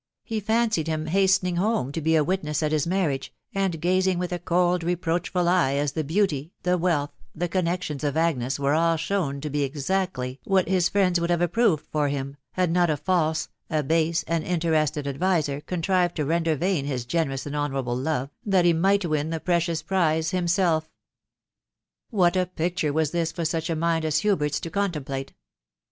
... he fancied him hastening home to he a witness at his marriage, and gazing with a cold reproachful eye as the beauty, the wealth, the connections of Agnes were all shown to be exactly what his friends would have approved for him, had not a false, a base, an interested adviser contrived to render vain his generous and honourable love, that he might win the precious prize himself. What a picture was this for such a mind as Hubert's to contemplate